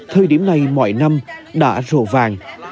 thời điểm này mọi năm đã rổ vàng